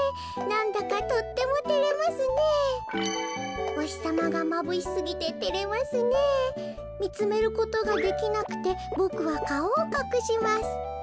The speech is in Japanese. なんだかとってもてれますねえおひさまがまぶしすぎててれますねえみつめることができなくてボクはかおをかくします